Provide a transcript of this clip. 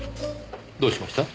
どうしました？